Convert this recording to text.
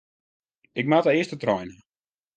Ik moat de earste trein ha.